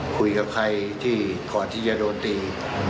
พูดกับใครก่อนที่จะโดนตี